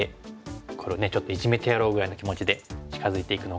これをちょっとイジメてやろうぐらいの気持ちで近づいていくのか。